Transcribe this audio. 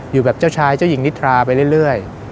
อยู่แบบเจ้าชายเจ้าหญิงนิทราไปเรื่อย